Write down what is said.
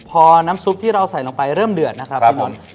พอน้ำซุปที่เราใส่ลงไปเริ่มเดือดนะครับพี่มนต์